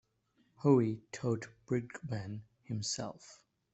Howe taught Bridgman himself.